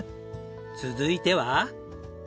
続いては。